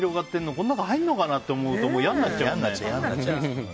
この中に入るのかなって思うと嫌になっちゃうよね。